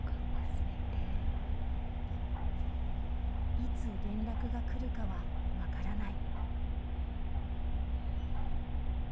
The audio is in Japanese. いつ連絡が来るかは分からない。